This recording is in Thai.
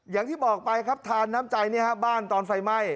อย่างที่บอกไปครับทานน้ำใจบ้านตอนไฟไหม้